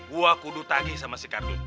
gua kudu tage sama si kardun